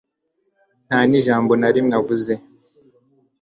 ntanijambo narimwe avuze